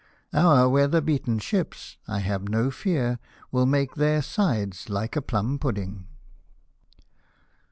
Our weather beaten ships, I have no fear, will make their sides like a plum pudding."